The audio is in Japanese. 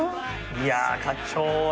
いや課長は。